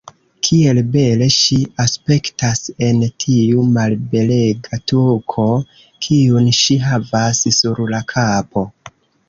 Kiel bele ŝi aspektas en tiu malbelega tuko, kiun ŝi havas sur la kapo.